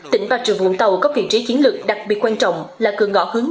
tỉnh bà rịa vũng tàu có vị trí chiến lược đặc biệt quan trọng là cường ngõ hướng